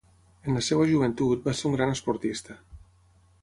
En la seva joventut, va ser un gran esportista.